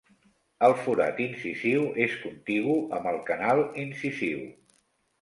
El forat incisiu és contigu amb el canal incisiu.